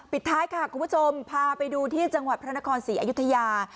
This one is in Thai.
ปิดท้ายค่ะคุณผู้ชมพาไปดูที่จังหวัดพระนครศรีอยุธยา